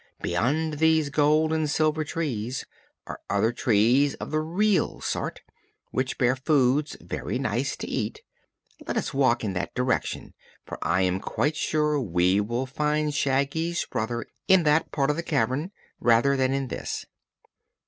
Beyond these gold and silver trees are other trees of the real sort, which bear foods very nice to eat. Let us walk in that direction, for I am quite sure we will find Shaggy's brother in that part of the cavern, rather than in this."